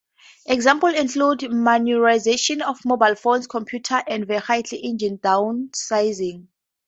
Examples include miniaturization of mobile phones, computers and vehicle engine downsizing.